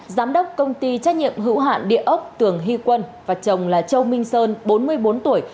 giám đốc công ty trách nhiệm hữu hạn địa ốc tường hy quân và chồng là châu minh sơn bốn mươi bốn tuổi